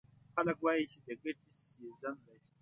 خلک وایي چې د ګټې سیزن دی.